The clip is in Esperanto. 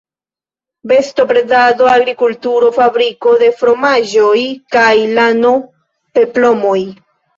Bestobredado, agrikulturo, fabriko de fromaĝoj kaj lano-peplomoj.